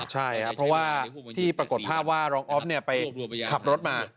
ใช่ครับเพราะว่าที่ปรากฏภาพว่ารองออฟไปขับรถมา